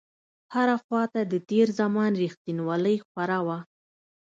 هره خواته د تېر زمان رښتينولۍ خوره وه.